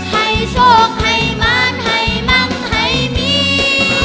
ให้โชคให้มันให้มั่งให้มี